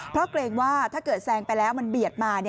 เพราะเกรงว่าถ้าเกิดแซงไปแล้วมันเบียดมา